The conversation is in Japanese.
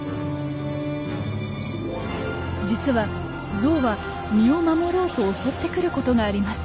実はゾウは身を守ろうと襲ってくることがあります。